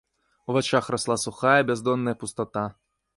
У вачах расла сухая, бяздонная пустата.